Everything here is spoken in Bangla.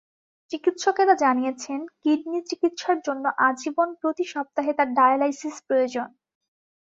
চিকিৎসকেরা জানিয়েছেন, কিডনি চিকিৎসার জন্য আজীবন প্রতি সপ্তাহে তাঁর ডায়ালাইসিস প্রয়োজন।